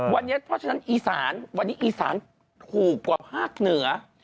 วันนี้เพราะฉะนั้นอีสานวันนี้อีสานถูกกว่าภาคเหนือ